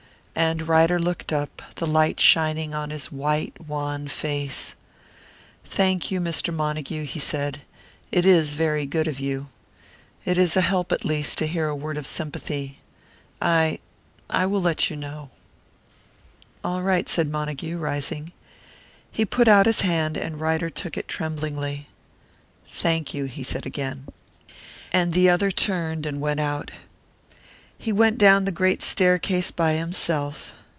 And Ryder looked up, the light shining on his white, wan face. "Thank you, Mr. Montague," he said. "It is very good of you. It is a help, at least, to hear a word of sympathy. I I will let you know " "All right," said Montague, rising. He put out his hand, and Ryder took it tremblingly. "Thank you," he said again. And the other turned and went out. He went down the great staircase by himself.